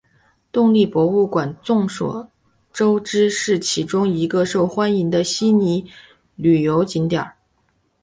动力博物馆众所周知是其中一个受欢迎的悉尼旅游景点。